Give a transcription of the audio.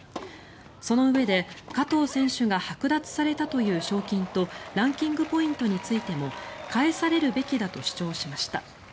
そのうえで加藤選手がはく奪されたという賞金とランキングポイントについても返されるべきだと主張しました。